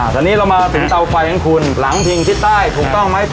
ดังนี้เรานี่มาถึงเตาไฟของคุณหลังพิ่งที่ใจถูกต้องไหมครับ